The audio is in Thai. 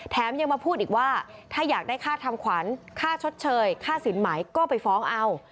ยังมาพูดอีกว่าถ้าอยากได้ค่าทำขวัญค่าชดเชยค่าสินไหมก็ไปฟ้องเอา